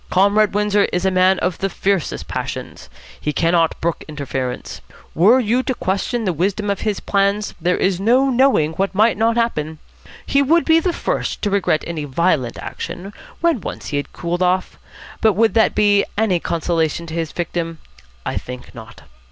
Comrade Windsor is a man of the fiercest passions. He cannot brook interference. Were you to question the wisdom of his plans, there is no knowing what might not happen. He would be the first to regret any violent action, when once he had cooled off, but would that be any consolation to his victim? I think not.